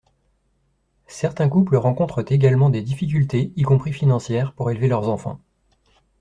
Certains couples rencontrent également des difficultés, y compris financières, pour élever leurs enfants.